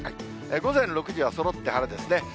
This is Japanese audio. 午前６時はそろって晴れですね。